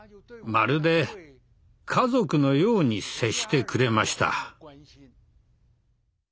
まるで家族のように接してくれました。